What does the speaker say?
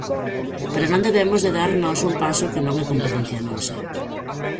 Pero non debemos de dar nós un paso que non é competencia nosa.